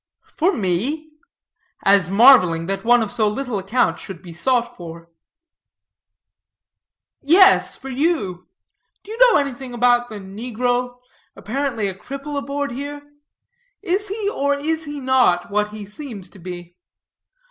"For me?" as marveling that one of so little account should be sought for. "Yes, for you; do you know anything about the negro, apparently a cripple, aboard here? Is he, or is he not, what he seems to be?"